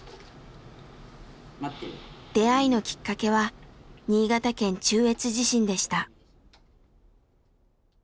出会いのきっかけは新潟県中越地震でした。